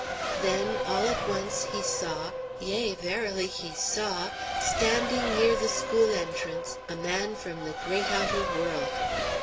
Then, all at once, he saw, yea, verily, he saw, standing near the school entrance, a man from the great outer world!